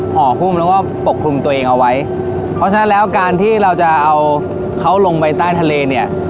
ห่อหุ้มแล้วก็ปกคลุมตัวเองเอาไว้เพราะฉะนั้นแล้วการที่เราจะเอาเขาลงไปใต้ทะเลเนี่ย